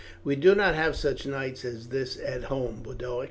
We do not have such nights as this at home, Boduoc."